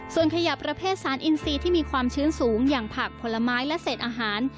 ส่วนขยะประเภทสารอินซีที่มีความชื้นสูงอย่างผักผลไม้และเศษอาหาร